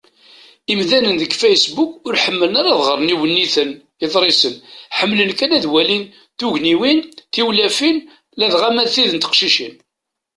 Imdanen deg Facebook ur ḥmmilen ara ad ɣren iwenniten, iḍrisen; ḥemmlen kan ad walin tugniwin, tiwlafin, ladɣa ma d tid n teqcicin.